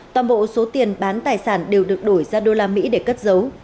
toàn bộ số tiền bán tài sản đều được đổi ra đô la mỹ để cất dấu